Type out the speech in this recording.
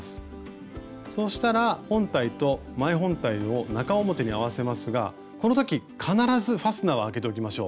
そうしたら本体と前本体を中表に合わせますがこの時必ずファスナーは開けておきましょう。